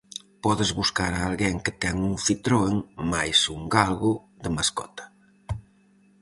Podes buscar a alguén que ten un "citroen" máis un "galgo" de mascota.